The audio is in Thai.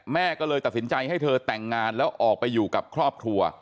แม่ก็เลยตัดสินใจให้เธอแต่งงานแล้วออกไปอยู่กับครอบครัว